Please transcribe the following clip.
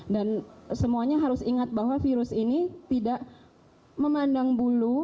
dan semuanya harus ingat bahwa virus ini tidak memandang bulu